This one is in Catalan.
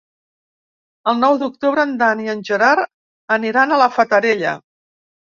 El nou d'octubre en Dan i en Gerard aniran a la Fatarella.